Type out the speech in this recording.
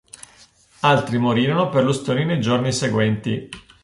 Altri morirono per le ustioni nei giorni seguenti.